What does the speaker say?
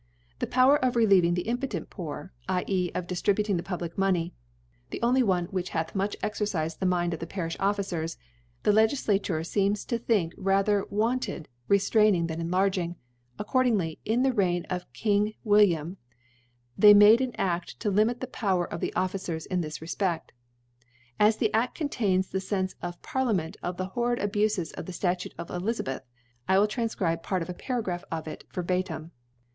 The Power of relievif^ th€ impotent Poor (/• e* of diftributing the public Mo ney) the only one which hath muchr exeiv ♦ Chap. XXX. fta. 6^ t Chap, iv, k&. (63) cifcd the Minds of the Parlfli Officers, the Legiflature fcems to think rather wanted rcftraining than enlarging ; accordingly, in the Reign of King * William they made an Aft to limit the Power of the Officers in this Refpeft. As the Aft contains the Stnfeof Parliament of the horrid Abufe of the Statute of Elizahth^ I will tranfcribe Part of a Paragraph from it verbatim.